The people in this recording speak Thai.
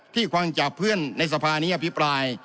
ที่ความจับเพื่อนในสภานิยภิปราย